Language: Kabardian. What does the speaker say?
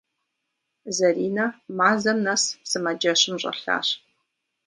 Зэринэ мазэм нэс сымаджэщым щӏэлъащ.